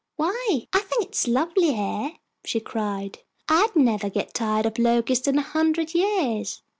"Why, I think it is lovely here!" she cried. "I'd never get tired of Locust in a hundred years!"